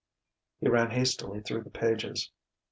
He ran hastily through the pages.